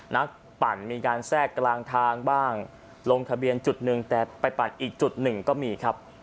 ปั่นมีการแทรกกลางทางบ้างลงทะเบียนจุดหนึ่งแต่ไปปั่นอีกจุดหนึ่งก็มีครับ